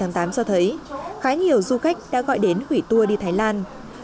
hoàn toàn ủng hộ các du khách đi thái lan